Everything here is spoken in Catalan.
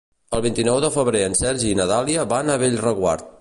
El vint-i-nou de febrer en Sergi i na Dàlia van a Bellreguard.